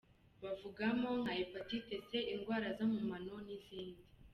Bavugamo nka Hepatite C, indwara zo mu mano n’izindi.